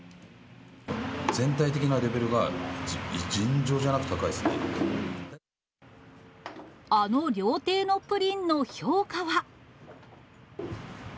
全体的なレベルが、あの料亭のプリンの評価は。